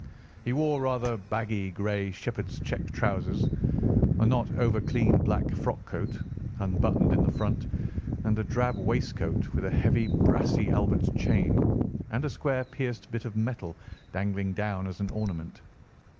He wore rather baggy grey shepherd's check trousers, a not over clean black frock coat, unbuttoned in the front, and a drab waistcoat with a heavy brassy Albert chain, and a square pierced bit of metal dangling down as an ornament.